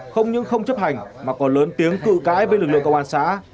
không những không chấp hành mà còn lớn tiếng cự cãi với lực lượng cơ quan xã